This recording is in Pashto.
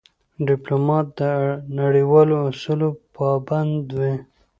ډيپلومات د نړیوالو اصولو پابند وي.